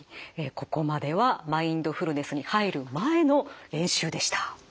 ここまではマインドフルネスに入る前の練習でした。